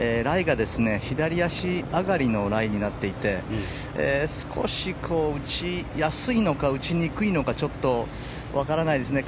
左足上がりのライになっていて少し打ちやすいのか打ちにくいのかちょっと分からないですね。